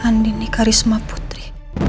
endemik charisma putri